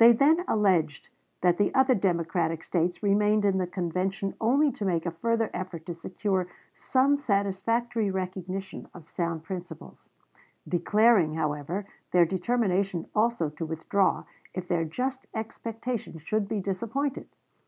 They then alleged that the other Democratic States remained in the convention only to make a further effort to secure "some satisfactory recognition of sound principles," declaring, however, their determination also to withdraw if their just expectation should be disappointed.